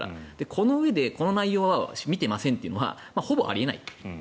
このうえで、この内容を見ていませんというのはほぼあり得ない。